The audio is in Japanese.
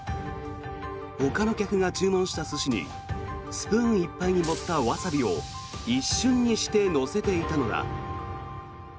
ほかの客が注文した寿司にスプーンいっぱいに盛ったワサビを一瞬にして乗せていたのだ。